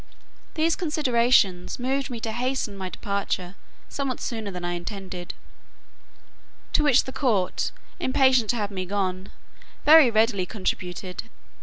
These considerations moved me to hasten my departure somewhat sooner than I intended; to which the court, impatient to have me gone, very readily contributed.